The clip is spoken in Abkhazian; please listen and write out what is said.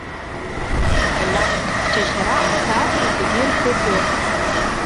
Наск ҳџьашьара аҳәаақәа зегьы ирхыҵуан.